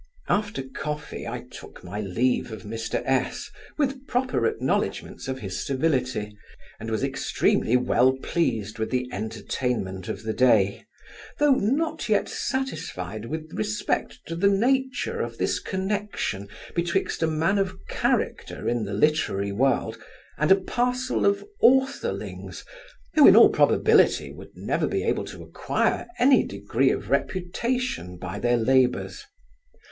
After coffee, I took my leave of Mr S , with proper acknowledgments of his civility, and was extremely well pleased with the entertainment of the day, though not yet satisfied, with respect to the nature of this connexion, betwixt a man of character in the literary world, and a parcel of authorlings, who, in all probability, would never be able to acquire any degree of reputation by their labours.